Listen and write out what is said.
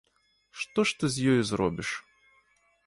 Што ж ты з ёю зробіш.